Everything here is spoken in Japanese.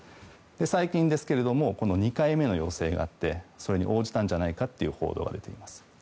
最近ですが２回目の要請があってそれに応じたんじゃないかという報道が出ています。